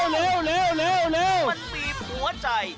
มันเปียบหัวใจ